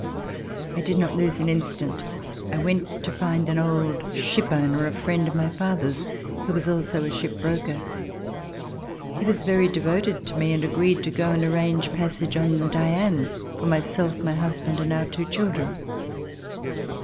I did not lose an instant. I went to find an old ship owner, a friend of my father's, who was also a ship broker. He was very devoted to me and agreed to go and arrange passage on the ''Diane" for my self, my husband and our two children.